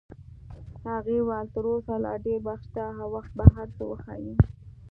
هغې وویل: تر اوسه لا ډېر وخت شته او وخت به هر څه وښایي.